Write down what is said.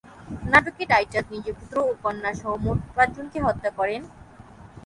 নাটকে টাইটাস নিজের পুত্র ও কন্যা সহ মোট পাঁচ জনকে হত্যা করেন।